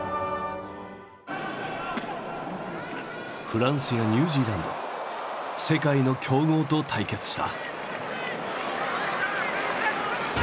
フランスやニュージーランド世界の強豪と対決した。